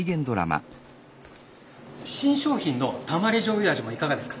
新商品のたまり醤油味もいかがですか？